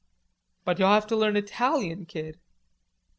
"But you'll have to learn Italian, Kid."